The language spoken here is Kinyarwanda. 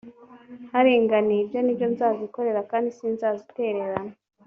haringaniye g ibyo ni byo nzazikorera kandi sinzazitererana